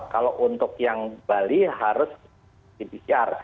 kalau untuk yang bali harus di pcr